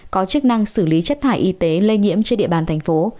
có chức năng xử lý chất thải y tế lây nhiễm trên địa bàn thành phố